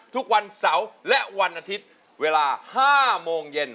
ทุกวันเสาร์และวันอาทิตย์เวลา๕โมงเย็น